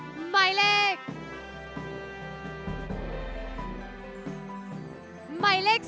แก่หมายเลข๓ของเธอว่าปุ้มหรือไม่ยอมที่แก่